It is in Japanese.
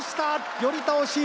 寄り倒し。